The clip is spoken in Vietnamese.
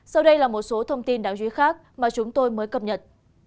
sau đây là một số thông tin đáng chú ý khác mà chúng tôi mới cập nhật